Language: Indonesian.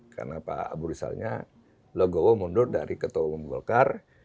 karena pak abu rizalnya logowo mundur dari ketua umum golkar